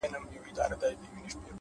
پرمختګ د دوامداره عمل حاصل دی,